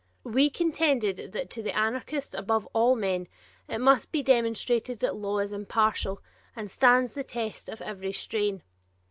We contended that to the anarchist above all men it must be demonstrated that law is impartial and stands the test of every strain.